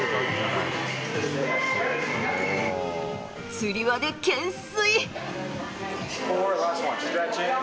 つり輪で懸垂。